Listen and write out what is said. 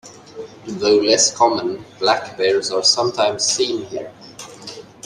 Though less common, black bears are sometimes seen here.